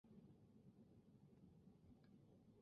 万历十三年乙酉乡试五十四名举人。